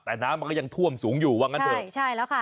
แต่น้ำมันก็ยังท่วมสูงอยู่ว่างั้นเถอะใช่แล้วค่ะ